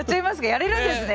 やれるんですね。